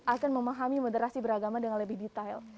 akan memahami moderasi beragama dengan lebih detail